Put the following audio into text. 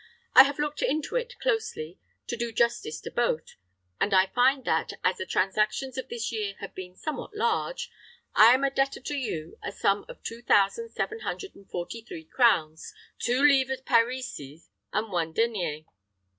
I have looked into it closely, to do justice to both, and I find that, as the transactions of this year have been somewhat large, I am a debtor to you a sum of two thousand seven hundred and forty three crowns, two livres Parisis, and one denier.